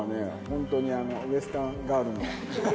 ホントにウェスタンガールの。